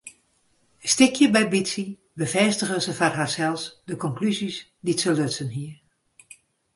Stikje by bytsje befêstige se foar harsels de konklúzjes dy't se lutsen hie.